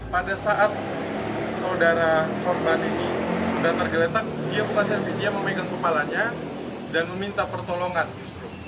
pada saat saudara korban ini sudah tergeletak dia pakai dia memegang kepalanya dan meminta pertolongan justru